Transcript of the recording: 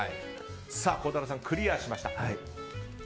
孝太郎さん、クリアしました。